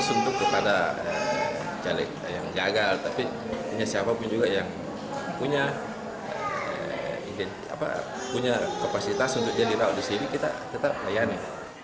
untuk kepada caleg yang gagal tapi punya siapapun juga yang punya kapasitas untuk jadi laut di sini kita tetap layani